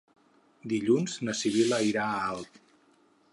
Dilluns na Sibil·la irà a Alp.